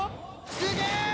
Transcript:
すげえー！